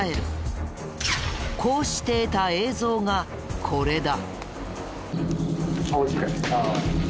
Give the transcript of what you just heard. こうして得た映像がこれだ。